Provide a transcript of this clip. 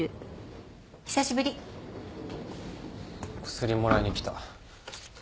薬もらいに来た。